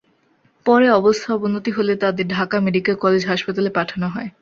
পরে অবস্থার অবনতি হলে তাঁদের ঢাকা মেডিকেল কলেজ হাসপাতালে পাঠানো হয়।